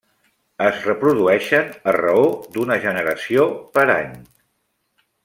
Es reprodueixen a raó d'una generació per any.